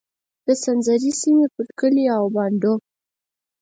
د سنځري سیمې پر کلیو او بانډونو.